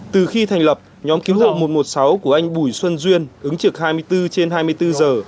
từ khi thành lập nhóm cứu hộ một trăm một mươi sáu của anh bùi xuân duyên ứng trực hai mươi bốn trên hai mươi bốn giờ